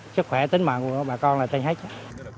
chất khỏe tính mạng của bà con là tên hái cháy